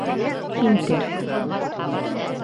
Килтер!